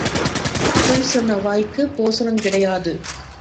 பொய் சொன்ன வாய்க்குப் போசனங் கிடையாது.